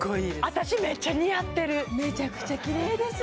私めっちゃ似合ってるめちゃくちゃキレイです